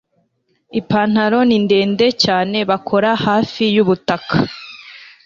ipantaro ni ndende cyane bakora hafi yubutaka